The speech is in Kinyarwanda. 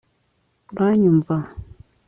uranyumva